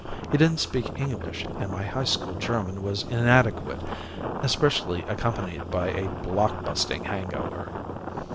He didn't speak English and my high school German was inadequate, especially accompanied by a blockbusting hangover.